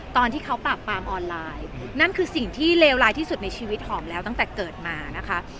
ตอนที่เขาปราบปรามออนไลน์นั่นคือสิ่งที่เลวร้ายที่สุดในชีวิตหอมแล้วตั้งแต่เกิดมานะคะ